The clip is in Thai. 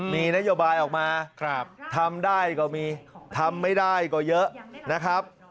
มีนโยบายออกมาทำได้ก็มีทำไม่ได้ก็เยอะนะครับ